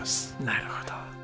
なるほど。